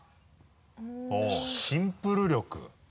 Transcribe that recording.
ほぉシンプル力。